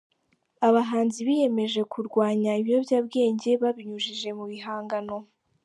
abahanzi biyemeje kurwanya ibiyobyabwenge babinyujije mu bihangano